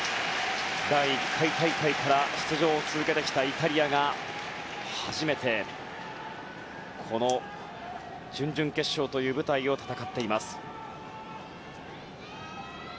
第１回大会から出場を続けてきたイタリアが初めてこの準々決勝という舞台を戦っています。